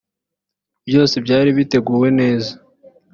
byose byari biteguwe neza